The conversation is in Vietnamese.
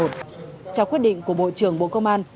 trao quyết định của bộ trưởng bộ công an